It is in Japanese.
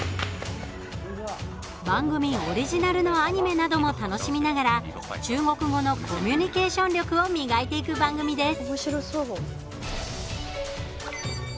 番組オリジナルのアニメなども楽しみながら中国語のコミュニケーション力を磨いていく番組です。